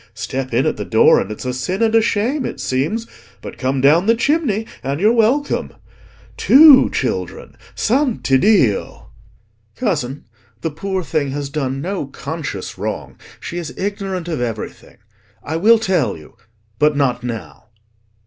Step in at the door and it's a sin and a shame, it seems; but come down the chimney and you're welcome. Two children—Santiddio!" "Cousin, the poor thing has done no conscious wrong: she is ignorant of everything. I will tell you—but not now."